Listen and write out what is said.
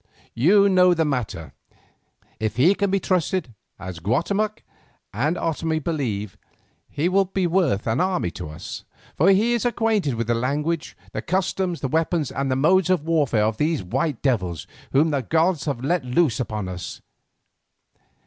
You know the matter. If he can be trusted, as Guatemoc and Otomie believe, he will be worth an army to us, for he is acquainted with the language, the customs, the weapons, and the modes of warfare of these white devils whom the gods have let loose upon us.